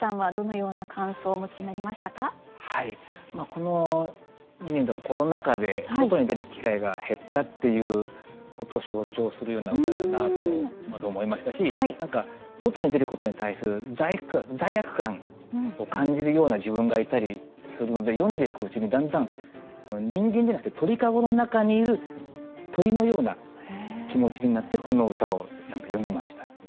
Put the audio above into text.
この２年とかコロナ禍で外に出る機会が減ったっていうことを象徴するような歌だなとまず思いましたし何か外に出ることに対する罪悪感を感じるような自分がいたりするので読んでいくうちにだんだん人間じゃなくて鳥籠の中にいる鳥のような気持ちになってこの歌を読みました。